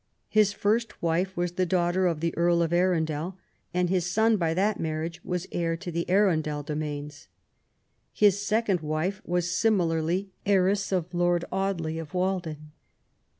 His first wife was the daughter of the Earl of Arundel, and his son by that marriage was heir to the Arundel domains. His second wife was similarly heiress of Lord Audley of Walden.